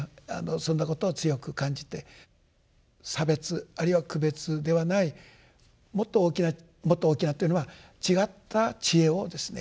そんなことを強く感じて差別あるいは区別ではないもっと大きなもっと大きなというのは違った智慧をですね